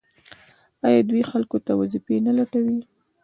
آیا دوی خلکو ته وظیفې نه لټوي؟